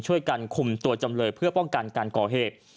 ช่วยกันคุมตัวจำเลยเพื่อป้องกันการก่อเหตุ